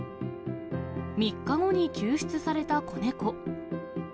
３日後に救出された子猫。